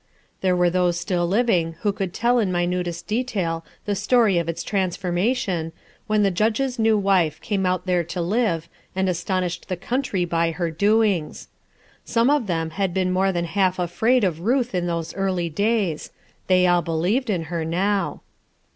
There were those still living who could tell in minutest detail the story of its transformation, when the Judge's new wife came out there to live, and astonished the country by her doings. Some of them had been more than half afraid of Ruth in those early days; they all believed in her now.